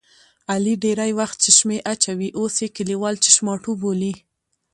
علي ډېری وخت چشمې اچوي اوس یې کلیوال چشماټو بولي.